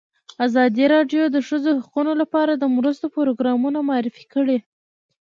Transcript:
ازادي راډیو د د ښځو حقونه لپاره د مرستو پروګرامونه معرفي کړي.